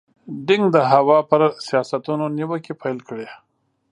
دینګ د هوا پر سیاستونو نیوکې پیل کړې.